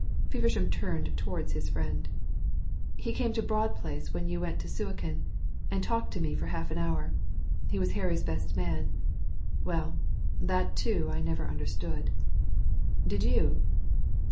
Feversham turned towards his friend. "He came to Broad Place when you went to Suakin, and talked to me for half an hour. He was Harry's best man. Well, that too I never understood. Did you?"